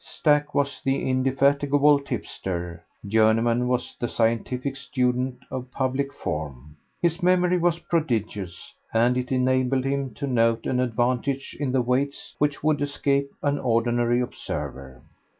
Stack was the indefatigable tipster, Journeyman was the scientific student of public form. His memory was prodigious, and it enabled him to note an advantage in the weights which would escape an ordinary observer.